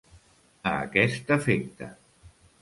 A aquest efecte.